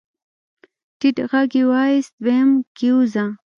ټيټ غږ يې واېست ويم کېوځه.